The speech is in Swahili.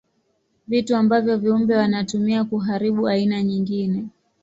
Vitu ambavyo viumbe wanatumia kuharibu aina nyingine.